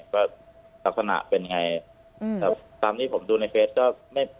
ว่าศาสนาเป็นยังไงอืมครับตามที่ผมดูในเฟซก็ไม่